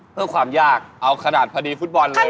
เพื่อความยากเอาขนาดพอดีฟุตบอลเลย